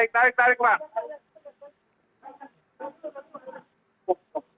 tarik tarik pak